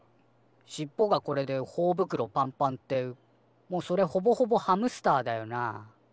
しっぽがこれでほおぶくろパンパンってもうそれほぼほぼハムスターだよな。